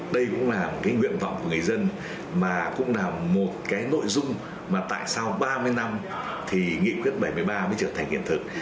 đây cũng là một cái nguyện vọng của người dân mà cũng là một cái nội dung mà tại sao ba mươi năm thì nghị quyết bảy mươi ba mới trở thành hiện thực